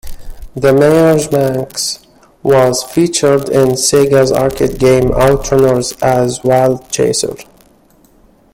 The Meyers Manx was featured in Sega's arcade game OutRunners as "Wild Chaser".